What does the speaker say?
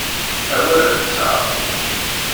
Awal-nteɣ.